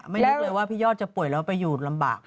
นึกเลยว่าพี่ยอดจะป่วยแล้วไปอยู่ลำบาก